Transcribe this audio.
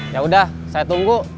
ya udah saya tunggu